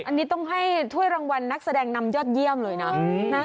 อันนี้ต้องให้ถ้วยรางวัลนักแสดงนำยอดเยี่ยมเลยนะ